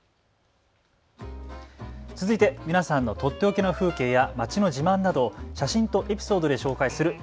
続いてみんなのとっておきの風景や街の自慢などを写真とエピソードで紹介する＃